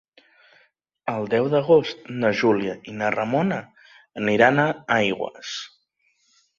El deu d'agost na Júlia i na Ramona aniran a Aigües.